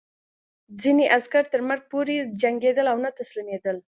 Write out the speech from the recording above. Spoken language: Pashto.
ځینې عسکر تر مرګ پورې جنګېدل او نه تسلیمېدل